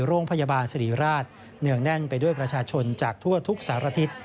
โรงพยาบาลสิริราชเนื่องแน่นไปด้วยประชาชนจากทั่วทุกสารทิศ